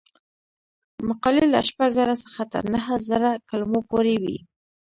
مقالې له شپږ زره څخه تر نهه زره کلمو پورې وي.